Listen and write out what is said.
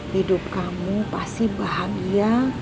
hidup kamu pasti bahagia